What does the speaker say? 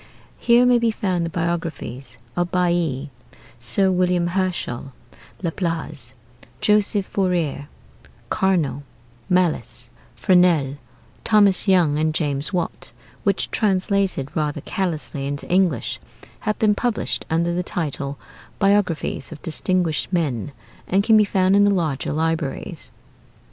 Here may be found the biographies of Bailly, Sir William Herschel, Laplace, Joseph Fourier, Carnot, Malus, Fresnel, Thomas Young, and James Watt; which, translated rather carelessly into English, have been published under the title 'Biographies of Distinguished Men,' and can be found in the larger libraries.